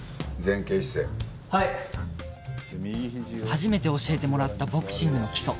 初めて教えてもらったボクシングの基礎